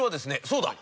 そうだ。